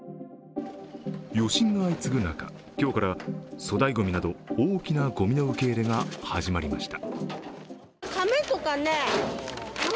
余震が相次ぐ中、今日から粗大ごみなど大きなごみの受け入れが始まりました。